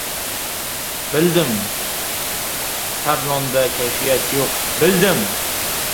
Bildim, Tarlonda kayfiyat yo‘q, bildim!